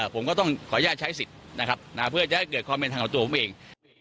ผมก็ต้องขออนุญาตใช้สิทธิ์นะครับเพื่อจะให้เกิดความเป็นธรรมกับตัวผมเอง